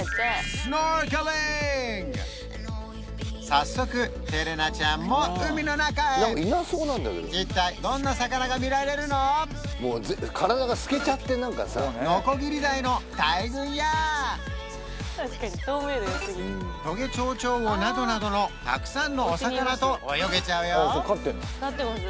早速テレナちゃんも海の中へ一体ノコギリダイの大群やトゲチョウチョウウオなどなどのたくさんのお魚と泳げちゃうよ